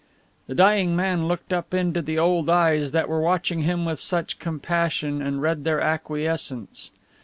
The dying man looked up into the old eyes that were watching him with such compassion and read their acquiescence.